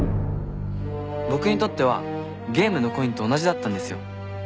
僕にとってはゲームのコインと同じだったんですよ。